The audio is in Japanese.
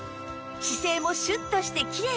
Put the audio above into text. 姿勢もシュッとしてきれいに